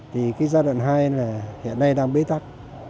thì gia đoạn hai hiện đang bế tắc